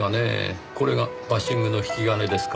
これがバッシングの引き金ですか。